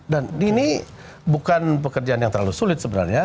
dan ini bukan pekerjaan yang terlalu sulit sebenarnya